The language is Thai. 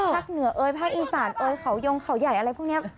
ภาคเหนือเอยภาคอีสานเอยเขายงเขาย่ายอะไรพวกเนี่ย